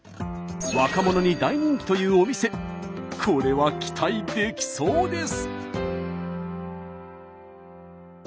若者に大人気というお店これは期待できそうです。